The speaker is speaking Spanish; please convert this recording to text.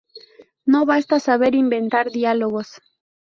No basta saber inventar diálogos..."".